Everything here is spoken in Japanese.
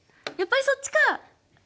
やっぱりそっちか。